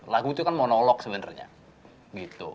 lagu itu kan monolog sebenarnya gitu